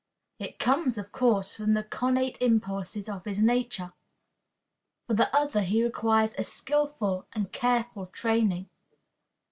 It comes, of course, from the connate impulses of his nature. For the other he requires a skillful and careful training.